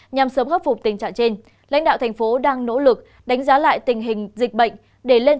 nhằm sớm hấp phục tình trạng trên lãnh đạo thành phố đang nỗ lực đánh giá lại tình hình dịch bệnh